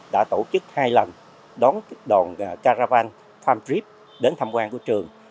đã tổ chức hai lần đón đòn caravan farm trip đến tham quan của trường